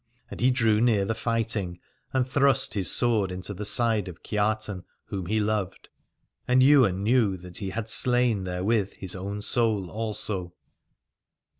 And he drew near the fighting and thrust his sword into the side of Kiartan whom he loved. And Ywain knew that he had slain therewith his own soul also.